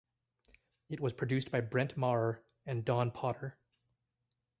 It was produced by Brent Maher and Don Potter.